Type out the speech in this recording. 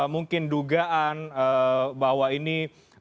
mungkin dugaan bahwa ini